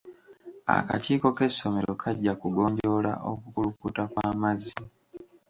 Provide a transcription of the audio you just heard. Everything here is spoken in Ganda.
Akakiiko k'essomero kajja kugonjoola okukulukuta kw'amazzi.